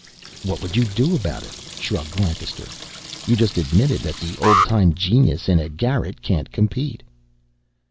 "What would you do about it?" shrugged Lancaster. "You just admitted that the old time genius in a garret can't compete."